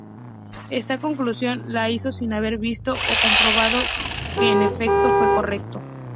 Esta conclusión la hizo sin haber visto o comprobado que en efecto fue correcto.